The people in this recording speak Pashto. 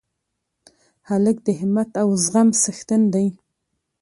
هلک د همت او زغم څښتن دی.